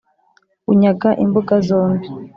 Unyaga imbuga zombi,